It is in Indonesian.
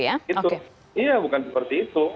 iya bukan seperti itu